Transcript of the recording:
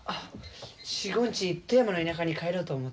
４５日富山の田舎に帰ろうと思って。